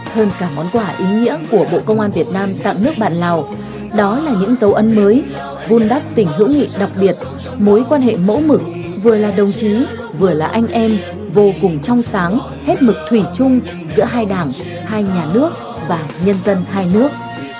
hơn cả món quà ý nghĩa của bộ công an việt nam tặng nước bạn lào đó là những dấu ấn mới vun đắp tình hữu nghị đặc biệt mối quan hệ mẫu mực vừa là đồng chí vừa là anh em vô cùng trong sáng hết mực thủy chung giữa hai đảng hai nhà nước và nhân dân hai nước